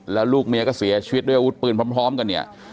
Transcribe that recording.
แล้วลูกเมียก็เสียชีวิตด้วยอาวุธปืนพร้อมกันเนี่ย